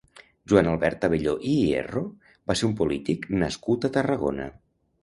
Joan Albert Abelló i Hierro va ser un polític nascut a Tarragona.